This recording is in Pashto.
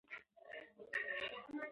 د صلاحیت لغوي مانا واک، اختیار او وړتیا ده.